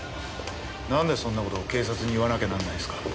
なんでそんな事を警察に言わなきゃならないんですか？